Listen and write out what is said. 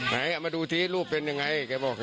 ไหนมาดูทิรูปเป็นยังไง